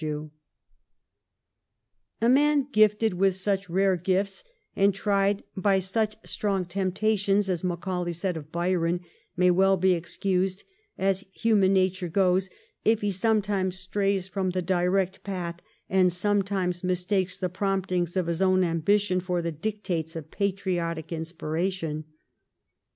1712 13 'GIFTED WITH SUCH RAEE GIFTS/ 73 A man ' gifted with such rare gifts and tried by such strong temptations,' as Macaulay said of Byron, may well be excused, as human nature goes, if he sometimes strays from the direct path and some times mistakes the promptings of his own ambition for the dictates of patriotic inspiration.